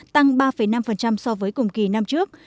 tăng ba năm so với cùng kỳ năm trước